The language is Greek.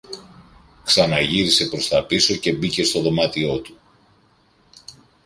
Ξαναγύρισε προς τα πίσω και μπήκε στο δωμάτιό του